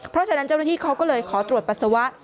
เพราะฉะนั้นเจ้าหน้าที่เขาก็เลยขอตรวจปัสสาวะ